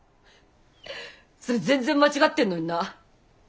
それ全然間違ってるのにな。